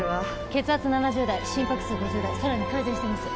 血圧７０台心拍数５０台さらに改善してます。